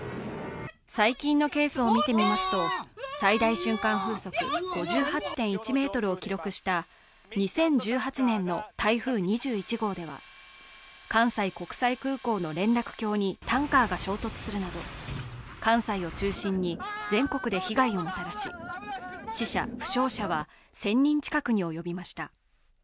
最近のケースを見てみますと、最大瞬間風速５８．１メートルを記録した２０１８年の台風２１号では、関西国際空港の連絡橋にタンカーが衝突するなど関西を中心に全国で被害をもたらし、死者・負傷者は１０００人近くに及びました。